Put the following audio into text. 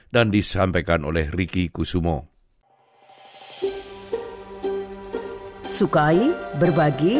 dan disampaikan oleh rika